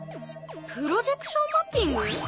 プロジェクションマッピング！？